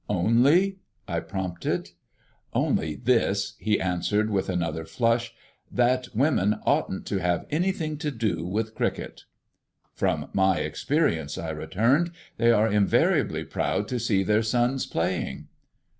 "Only?" I prompted. "Only this," he answered with another flush, "that women oughtn't to have anything to do with cricket." "From my experience," I returned, "they are invariably proud to see their sons playing."